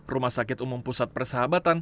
rumah sakit umum pusat persahabatan